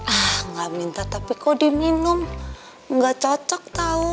ah nggak minta tapi kau diminum nggak cocok tahu